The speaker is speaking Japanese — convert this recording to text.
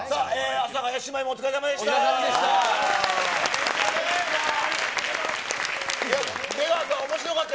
阿佐ヶ谷姉妹もお疲れさまでした。